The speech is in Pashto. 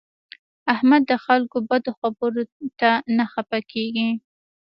احمد د خلکو بدو خبرو ته نه خپه کېږي.